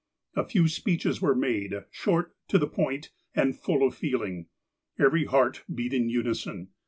A few speeches were made, short, to the point, and full of feeling. Every heart beat in unison.